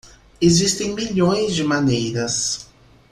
Existem milhões de maneiras.